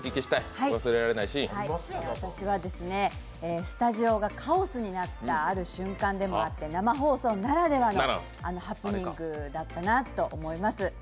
私はスタジオがカオスになったある瞬間でもあって生放送ならではのハプニングだったなって思います。